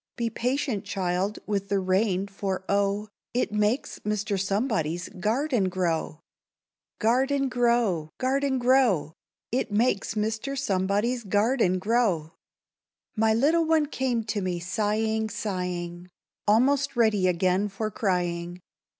"Be patient, child, with the rain, for oh, It makes Mr. Somebody's garden grow!" Chorus.—Garden grow, garden grow! It makes Mr. Somebody's garden grow! My little one came to me sighing, sighing, Almost ready again for crying.